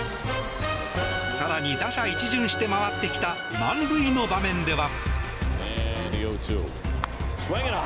更に打者一巡して回ってきた満塁の場面では。